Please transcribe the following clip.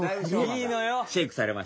いいのよ！